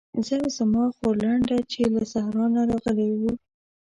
زه او زما خورلنډه چې له صحرا نه راغلې وو.